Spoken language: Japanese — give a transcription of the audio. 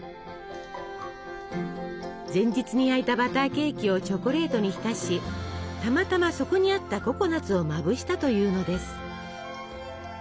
前日に焼いたバターケーキをチョコレートに浸したまたまそこにあったココナツをまぶしたというのです。